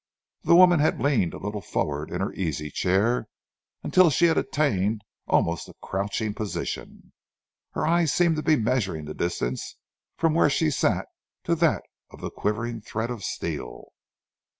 The woman had leaned a little forward in her easy chair until she had attained almost a crouching position. Her eyes seemed to be measuring the distance from where she sat to that quivering thread of steel.